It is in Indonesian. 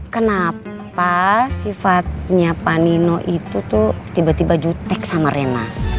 kenapa sifatnya pak nino itu tuh tiba tiba jutek sama rena